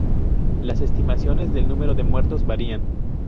Las estimaciones del número de muertos varían.